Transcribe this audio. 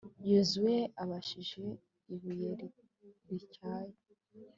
yozuwe abajisha ibuye rityaye